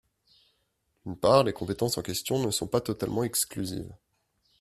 D’une part, les compétences en question ne sont pas totalement exclusives.